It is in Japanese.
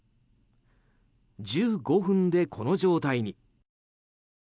１５分でこの状態に。